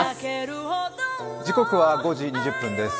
時刻は５時２０分です。